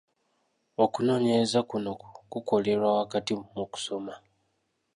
Okunoonyereza kuno kukolerwa wakati mu kusoma.